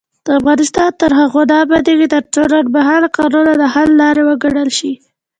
افغانستان تر هغو نه ابادیږي، ترڅو لنډمهاله کارونه د حل لاره وګڼل شي.